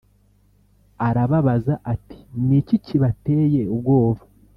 Arababaza ati Ni iki kibateye ubwoba